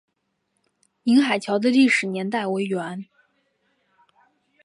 宁海桥的历史年代为元。